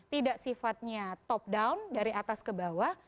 tidak sifatnya top down dari atas ke bawah